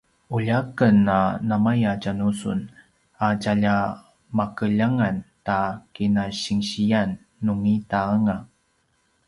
ulja aken a namaya tja nu sun a tjalja makeljangan ta kinasinsiyan nungida anga